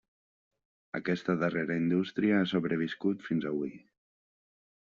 Aquesta darrera indústria ha sobreviscut fins avui.